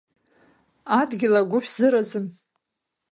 Адгьыл агәы шәзыразым.